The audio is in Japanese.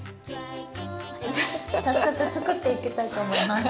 早速作っていきたいと思います。